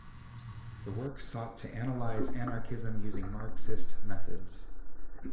The work sought to analyze anarchism using Marxist methods.